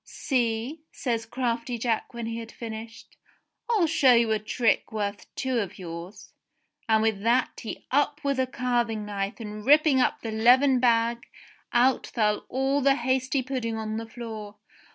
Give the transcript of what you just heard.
"See," says crafty Jack when he had finished. "I'll show you a trick worth two of yours," and with that he up with a carving knife and ripping up the leathern bag out fell all the hasty pudding on the floor